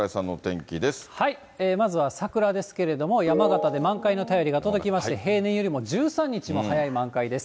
まずは桜ですけれども、山形で満開の便りが届きまして、平年よりも１３日も早い満開です。